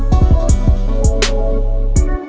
kau bakal jawab